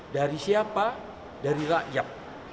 dari siapa dari rakyat